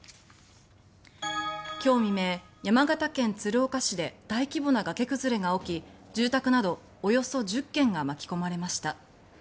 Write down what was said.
今日未明、山形県鶴岡市で大規模な崖崩れが起き住宅などおよそ１０軒が巻き込まれました。